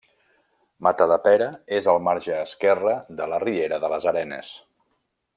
Matadepera és al marge esquerre de la riera de les Arenes.